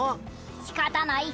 しかたない。